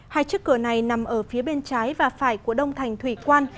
hai chiếc cửa này nằm ở phía bên trái và phải của đông thành thủy quan